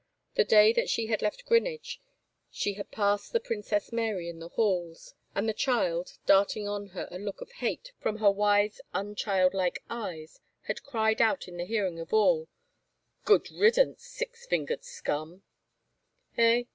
The day that she had left Greenwich she had passed the Princess Mary in the halls, and the child, darting on her a look of hate 174 IN HEVER CASTLE from her wise, unchildlike eyes, had cried out in the hearing of all, " Good riddance — six fingered scum I "" Eh